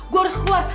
gue harus keluar